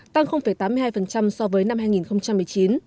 tăng tám mươi hai so với năm hai nghìn một mươi chín